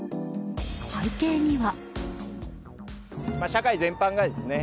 背景には。